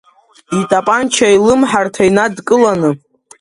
Итапанча илымҳарҭа инадкыланы…